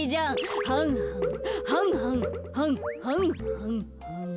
はんはんはんはんはんはんはんはん。